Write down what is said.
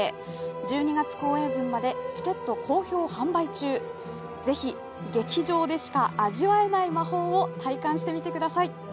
１２月公演分までチケット好評販売中、ぜひ、劇場でしか味わえない魔法を体感してみてください。